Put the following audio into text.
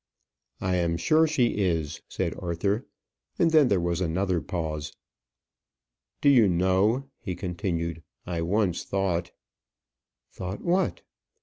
"I am sure she is," said Arthur; and then there was another pause. "Do you know," he continued, "I once thought " "Thought what?"